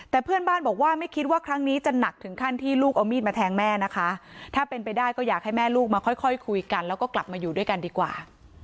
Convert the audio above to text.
แต่เพื่อนบ้านบอกว่าไม่คิดว่าครั้งนี้จะหนักถึงขั้นที่ลูกเอามีดมาแทงแม่นะคะถ้าเป็นไปได้ก็อยากให้แม่ลูกมาค่อยคุยกันแล้วก็กลับมาอยู่ด้วยกันดีกว่า